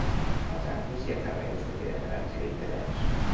Als angles hi ha carreus de pedra grans i ben tallats.